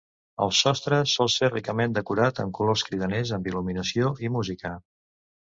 El sostre sol ser ricament decorat en colors cridaners amb il·luminació i música.